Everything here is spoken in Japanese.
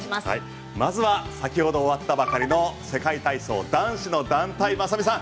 まずは先ほど終わったばかりの世界体操男子の団体雅美さん